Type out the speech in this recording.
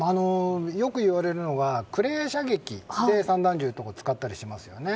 よくいわれるのは、クレー射撃で散弾銃とかを使ったりしますよね。